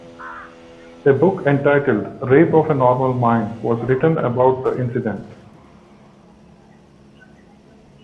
A book entitled "Rape of a Normal Mind" was written about the incident.